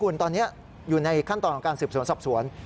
คุณตอนนี้อยู่ในขั้นตอนของการสืบสวนสอบสวน